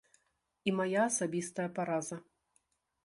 І мая асабістая параза.